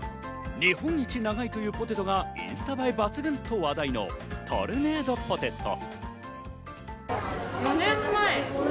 日本一長いというポテトがインスタ映え抜群と話題のトルネードポテト。